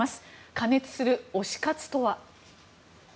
過熱する推し活とは。